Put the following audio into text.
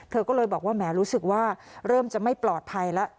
เธอก็เลยบอกว่าแหมรู้สึกว่าเริ่มจะไม่ปลอดภัยแล้ว